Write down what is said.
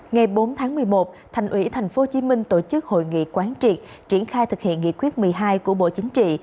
ngày bốn tháng một mươi một thành ủy tp hcm tổ chức hội nghị quán triệt triển khai thực hiện nghị quyết một mươi hai của bộ chính trị